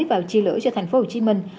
vào chi lửa cho tp hcm